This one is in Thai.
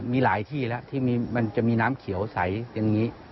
มีหลายที่แล้วที่มันจะมีน้ำเขียวใสอย่างนี้